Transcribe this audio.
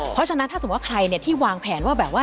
เพราะฉะนั้นถ้าสมมุติว่าใครที่วางแผนว่าแบบว่า